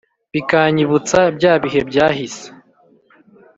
bikanyibutsa bya bihe byahise